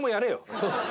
そうですね。